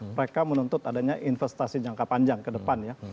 mereka menuntut adanya investasi jangka panjang ke depan ya